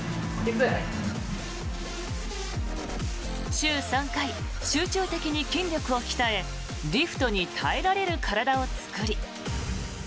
週３回、集中的に筋力を鍛えリフトに耐えられる体を作り。